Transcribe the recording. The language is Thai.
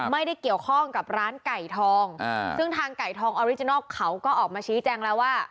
ไม่ได้เกี่ยวข้องกับร้านไก่ทองซึ่งทางไก่ทองออริจินัลเขาก็ออกมาชี้แจงแล้วว่า